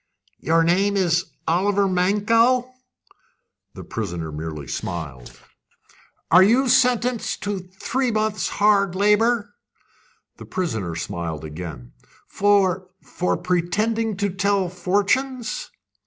"Your name is Oliver Mankell?" The prisoner merely smiled. "You are sentenced to three months' hard labour?" The prisoner smiled again. "For for pretending to tell fortunes?"